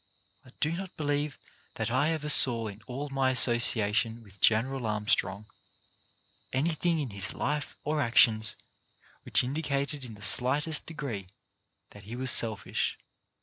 I do not believe that I ever saw in all my association with General Armstrong anything in his life or actions which indicated in the slightest degree that he was selfish.